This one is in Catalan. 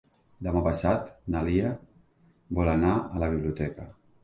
Demà passat na Lia vol anar a la biblioteca.